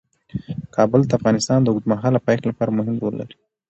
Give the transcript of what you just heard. کابل د افغانستان د اوږدمهاله پایښت لپاره مهم رول لري.